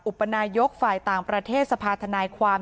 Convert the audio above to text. อุปนายกฝ่ายต่างประเทศสภาธนายความ